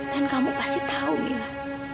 dan kamu pasti tahu mila